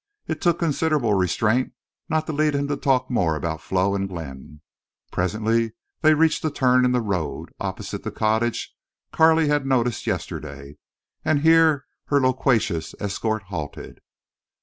It took considerable restraint not to lead him to talk more about Flo and Glenn. Presently they reached the turn in the road, opposite the cottage Carley had noticed yesterday, and here her loquacious escort halted.